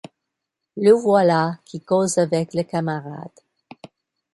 Le voilà qui cause avec le camarade.